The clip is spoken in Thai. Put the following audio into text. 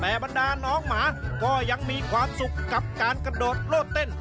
แต่บรรดาน้องหมาก็ยังมีความสุขกับการกระโดดโลดเต้น